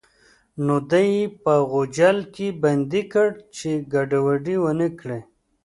نو دی یې په غوجل کې بندي کړ چې ګډوډي ونه کړي.